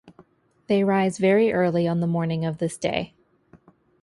They rise very early on the morning of this day.